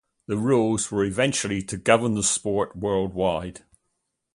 These rules were eventually to govern the sport worldwide.